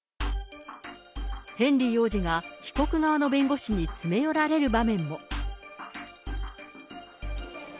ヘンリー王子が被告側の弁護士に詰め寄られる場面も。